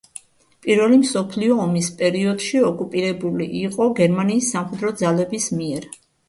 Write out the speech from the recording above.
პირველი მსოფლიო ომის პერიოდში ოკუპირებული იყო გერმანიის სამხედრო ძალების მიერ.